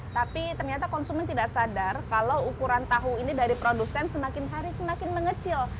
tapi ternyata konsumen tidak sadar kalau ukuran tahu ini dari produsen semakin hari semakin mengecil